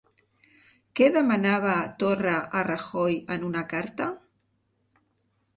Què demanava Torra a Rajoy en una carta?